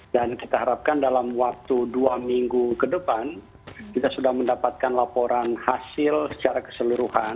dan kita harapkan dalam waktu dua minggu ke depan kita sudah mendapatkan laporan hasil secara keseluruhan